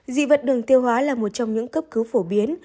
dị vật đường tiêu hóa là một trong những cấp cứu phổ biến